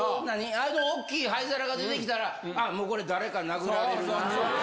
あの大きい灰皿が出てきたら、ああ、もうこれ、誰か殴られるな。